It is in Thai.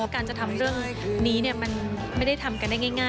การจะทำเรื่องนี้มันไม่ได้ทำกันได้ง่าย